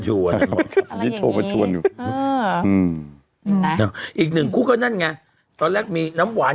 อยู่อะไรอย่างงี้อืมอีกหนึ่งคู่ก็นั่นไงตอนแรกมีน้ำหวาน